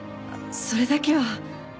それだけは。